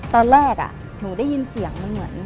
ตอนแรกหนูได้ยินเสียงมันเหมือน